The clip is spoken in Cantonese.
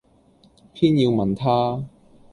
偏要問他。